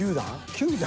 ９段？